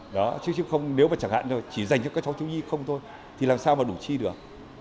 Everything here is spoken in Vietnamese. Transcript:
đó chứ không nếu mà chẳng hạn chỉ dành cho các cháu thiếu nhi không thôi thì làm sao mà đủ chi được